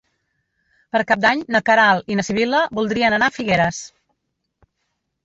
Per Cap d'Any na Queralt i na Sibil·la voldrien anar a Figueres.